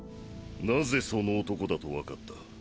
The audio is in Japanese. なぜその男だとわかった。